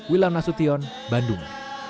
wilam nasution bandung